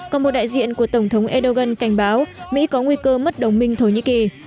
còn một đại diện của tổng thống erdogan cảnh báo mỹ có nguy cơ mất đồng minh thổ nhĩ kỳ